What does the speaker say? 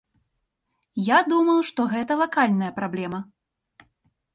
Я думаў, што гэта лакальная праблема.